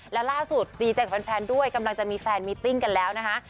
และล่าสุดดีใจกับแฟนด้วยกำลังจะมีแฟนมิตติ้งกันแล้วนะคะ